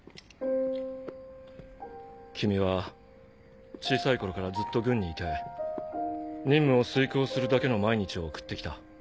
君は小さい頃からずっと軍にいて任務を遂行するだけの毎日を送って来た。